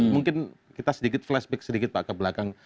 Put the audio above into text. mungkin kita sedikit flashback ke belakang